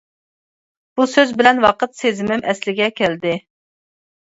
بۇ سۆز بىلەن ۋاقىت سېزىمىم ئەسلىگە كەلدى.